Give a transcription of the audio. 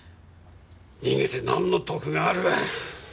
逃げてなんの得がある？